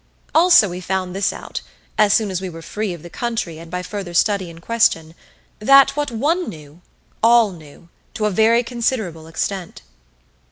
Also we found this out as soon as we were free of the country, and by further study and question that what one knew, all knew, to a very considerable extent.